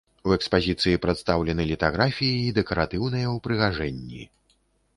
У экспазіцыі прадстаўлены літаграфіі і дэкаратыўныя ўпрыгажэнні.